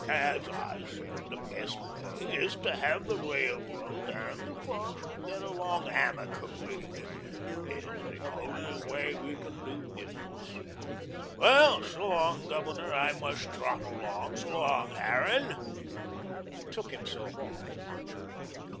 As I said, the best way is to have the railroad and the farmer get along amicably. It is the only way we can do business. Well, s'long, Governor, I must trot along. S'long, Harran." He took himself off.